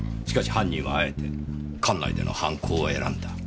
しかし犯人はあえて館内での犯行を選んだ。